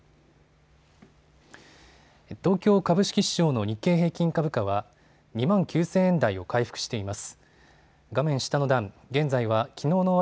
東京株式市場の日経平均株価は２万９０００円台を回復しています。